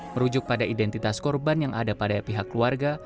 merujuk pada identitas korban yang ada pada pihak keluarga